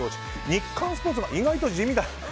日刊スポーツが意外と地味。